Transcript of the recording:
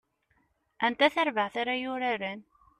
Anta tarbaɛt ara yuraren?